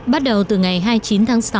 bắt đầu từ ngày hai mươi chín tháng sáu